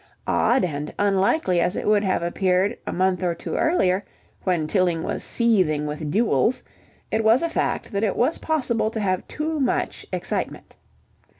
Odd and unlikely as it would have appeared a month or two earlier, when Tilling was seething with duels, it was a fact that it was possible to have too much excitement.